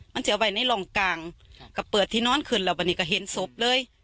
มันจะเอาไว้ในหล่องกลางกับเปิดที่นอนคืนเราวันนี้ก็เห็นศพเลย